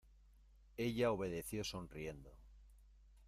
ella obedeció sonriendo.